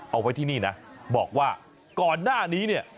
เอาไว้ที่นี่นะบอกว่าก่อนหน้านี้เนี่ย